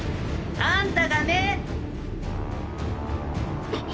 あんたがね。っ！